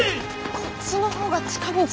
こっちのほうが近道！